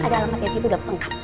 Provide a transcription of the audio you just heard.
ada alamatnya situ udah lengkap